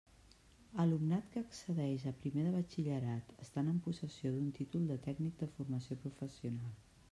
Alumnat que accedeix a primer de Batxillerat estant en possessió d'un títol de Tècnic de Formació Professional.